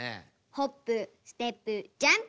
「ホップステップジャンプ！」ぐらい。